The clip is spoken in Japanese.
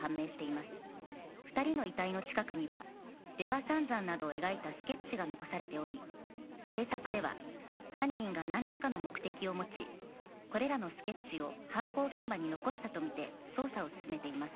「２人の遺体の近くには出羽三山などを描いたスケッチが残されており警察では犯人がなんらかの目的を持ちこれらのスケッチを犯行現場に残したと見て捜査を進めています」